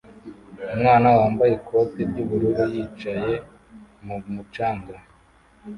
Umwana wambaye ikoti ry'ubururu yicaye mu mucanga